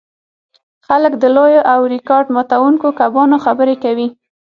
خلک د لویو او ریکارډ ماتوونکو کبانو خبرې کوي